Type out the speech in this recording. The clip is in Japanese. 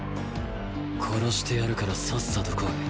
殺してやるからさっさと来い。